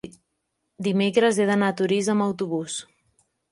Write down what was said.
Dimecres he d'anar a Torís amb autobús.